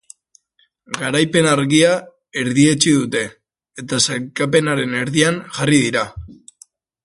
Garaipen argia erdietsi dute, eta sailkapenaren erdian jarri dira.